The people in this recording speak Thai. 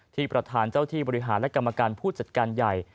ที่ประธานเจ้าที่บริหารและกรรมการผู้จัดการใหญ่